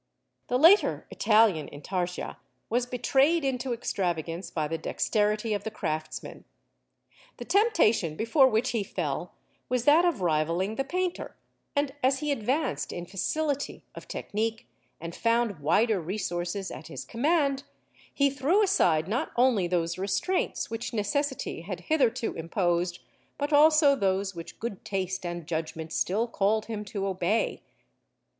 The later Italian Intarsia was betrayed into extravagance by the dexterity of the craftsman. The temptation before which he fell was that of rivalling the painter, and as he advanced in facility of technique, and found wider resources at his command, he threw aside not only those restraints which necessity had hitherto imposed, but also those which good taste and judgment still called him to obey.